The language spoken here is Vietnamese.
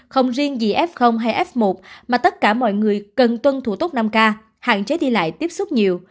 không riêng gì f hay f một mà tất cả mọi người cần tuân thủ tốt năm k hạn chế đi lại tiếp xúc nhiều